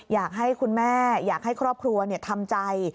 อยากให้คุณแม่อยากให้ครอบครัวทำใจ